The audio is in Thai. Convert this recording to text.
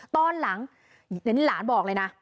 ตอนหลังหลานบอกเลยนะ